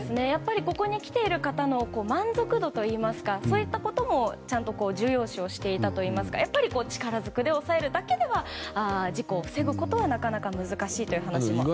ここに来ている方の満足度といいますかそういったことも重要視していたといいますかやっぱり力ずくで押さえるだけでは事故を防ぐことはなかなか難しいという話がありました。